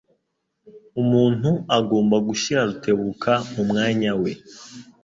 Umuntu agomba gushyira Rutebuka mu mwanya we.